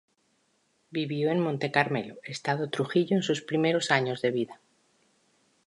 Vivió en Monte Carmelo, Estado Trujillo en sus primeros años de vida.